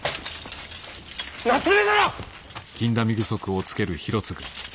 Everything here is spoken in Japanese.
夏目殿！